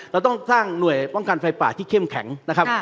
เราต้องสร้างหน่วยป้องกันไฟป่าที่เข้มแข็งนะครับ